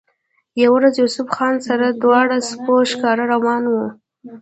يوه ورځ يوسف خان سره د دواړو سپو ښکار له روان وۀ